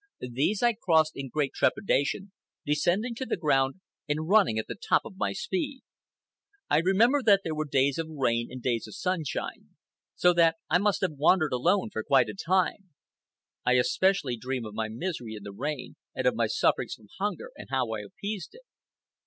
These I crossed in great trepidation, descending to the ground and running at the top of my speed. I remember that there were days of rain and days of sunshine, so that I must have wandered alone for quite a time. I especially dream of my misery in the rain, and of my sufferings from hunger and how I appeased it.